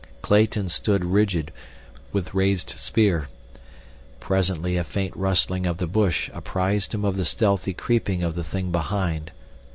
Clayton stood rigid, with raised spear. Presently a faint rustling of the bush apprised him of the stealthy creeping of the thing behind.